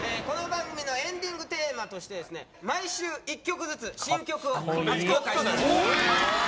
この番組のエンディングテーマとしてですね毎週１曲ずつ新曲を初公開していただきます。